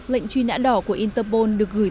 lệnh truy nã đỏ của interpol được gửi